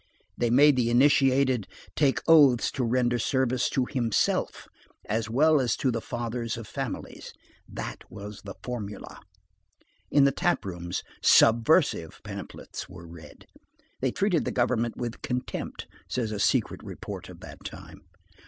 They made the initiated take oaths to render service to himself as well as to the fathers of families. That was the formula. In the tap rooms, "subversive" pamphlets were read. They treated the government with contempt, says a secret report of that time.